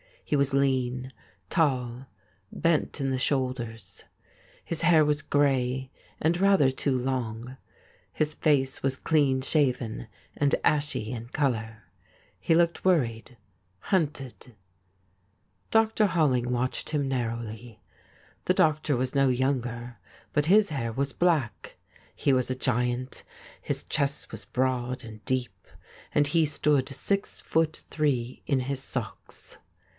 He was lean, tall, bent in the shoulders. His hair was gray and rather too long ; his face was clean shaven and ashy in colour. He looked worried — hunted. Dr. Hollingwatched himnarrowly. The doctor was no younger, but his hair was black. He was a giant — his chest was broad and deep, and he stood six foot three in his socks.